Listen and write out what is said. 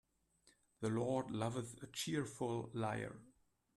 The Lord loveth a cheerful liar.